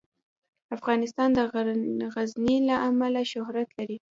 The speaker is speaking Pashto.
افغانستان د غزني له امله شهرت لري.